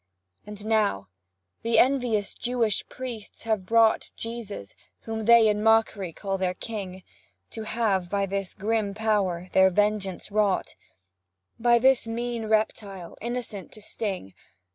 And now, the envious Jewish priests have brought Jesus whom they in mock'ry call their king To have, by this grim power, their vengeance wrought; By this mean reptile, innocence to sting.